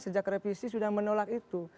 sejak revisi sudah menolak itu